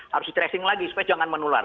harus di tracing lagi supaya jangan menular